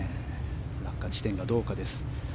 落下地点がどうかです。